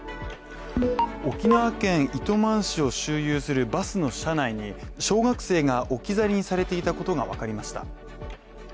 沖縄県糸満市を周遊するバスの車内に、小学生が置き去りにされていたことが分かりました。